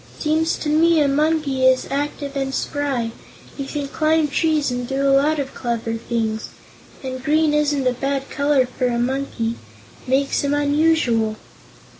Seems to me a monkey is active and spry, and he can climb trees and do a lot of clever things, and green isn't a bad color for a monkey it makes him unusual."